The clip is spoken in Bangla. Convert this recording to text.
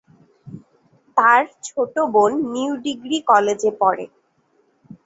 তার ছোট বোন নিউ ডিগ্রি কলেজে পড়ে।